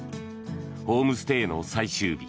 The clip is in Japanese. ホームステイの最終日